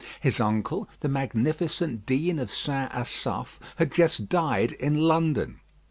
His uncle, the magnificent Dean of St. Asaph, had just died in London.